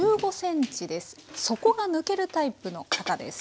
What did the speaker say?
底が抜けるタイプの型です。